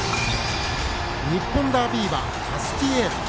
日本ダービー馬、タスティエーラ。